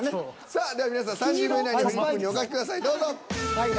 さあでは皆さん３０秒以内にフリップにお書きください